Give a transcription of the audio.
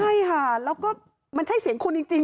ใช่ค่ะแล้วก็มันใช่เสียงคุณจริง